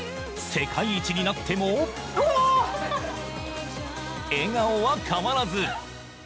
世界一になっても笑顔は変わらず。